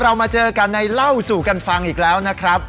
เรามาเจอกันในเล่าสู่กันฟังอีกแล้วนะครับ